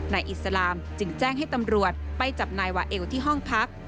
อิสลามจึงแจ้งให้ตำรวจไปจับนายวาเอลที่ห้องพัก